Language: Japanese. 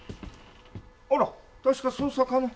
あら確か捜査課の。